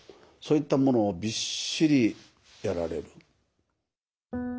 そういったものをビッシリやられる。